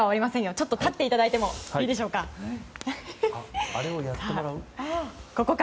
ちょっと立っていただいてもいいでしょうか。